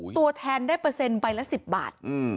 ตัวแทนได้เปอร์เซ็นต์ใบละ๑๐บาท